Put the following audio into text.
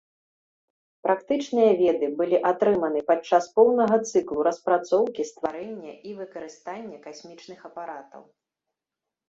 Практычныя веды былі атрыманы падчас поўнага цыклу распрацоўкі, стварэння і выкарыстання касмічных апаратаў.